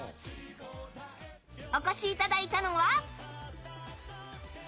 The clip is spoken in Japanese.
お越しいただいたのは。